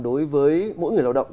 đối với mỗi người lao động